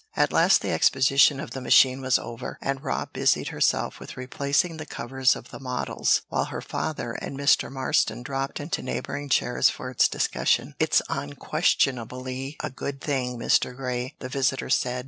At last the exposition of the machine was over, and Rob busied herself with replacing the covers of the models, while her father and Mr. Marston dropped into neighboring chairs for its discussion. "It's unquestionably a good thing, Mr. Grey," the visitor said.